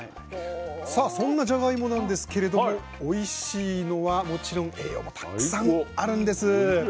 さあそんなじゃがいもなんですけれどもおいしいのはもちろん栄養もたくさんあるんです。